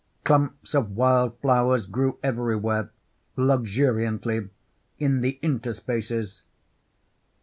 Clumps of wild flowers grew everywhere, luxuriantly, in the interspaces.